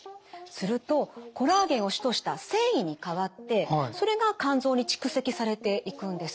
するとコラーゲンを主とした線維に変わってそれが肝臓に蓄積されていくんです。